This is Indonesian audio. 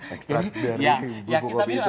ekstrak dari bubuk kopi itu lah ya